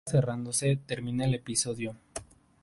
Con la roca cerrándose, termina el episodio.